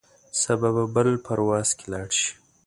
سبا به بل پرواز کې لاړ شې.